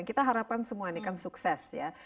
kita harapkan semua ini kan sukses ya